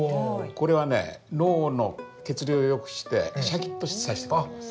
これはね脳の血流を良くしてシャキッとさせてくれます。